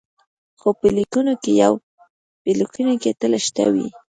خو په لیکنو کې یې تل شته وي.